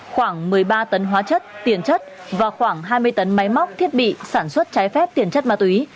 khoảng một mươi ba tấn hóa chất tiền chất và khoảng hai mươi tấn máy móc thiết bị sản xuất trái phép tiền chất ma túy